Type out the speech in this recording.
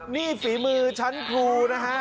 นี่ฝีมือชั้นครูนะฮะ